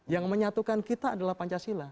yang menyatukan kita adalah pancasila